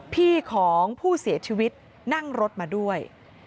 พี่ของผู้เสียชีวิตนั่งรถมาด้วย